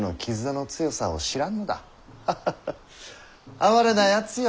哀れなやつよ。